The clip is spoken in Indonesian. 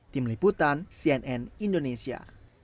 tim liputan cnn indonesia